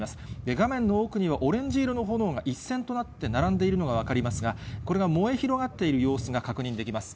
画面の奥には、オレンジ色の炎が、一線となって並んでいるのが分かりますが、これが燃え広がっている様子が確認できます。